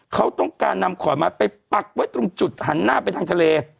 เขาต้องการนำขอนไม้ไปปักไว้ตรงจุดหันหน้าไปทางทะเล